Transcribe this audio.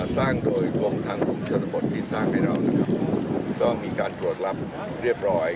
สร้างโดยกลุ่มทางกลุ่มชนบทที่สร้างให้เรามีการโปรดลับเรียบร้อย